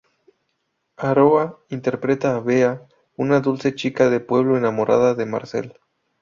Aroa interpreta a Bea, una dulce chica de pueblo enamorada de Marcel.